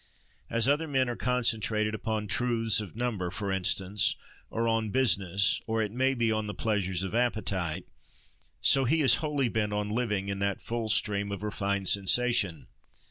As other men are concentrated upon truths of number, for instance, or on business, or it may be on the pleasures of appetite, so he is wholly bent on living in that full stream of refined sensation.